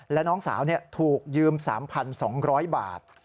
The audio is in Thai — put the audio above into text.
และน้องสาวถูกยืม๓๒๐๐บาท